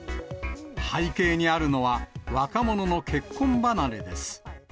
背景にあるのは、若者の結婚離れです。